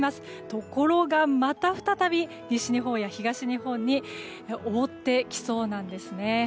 ところがまた再び西日本や東日本を覆ってきそうなんです。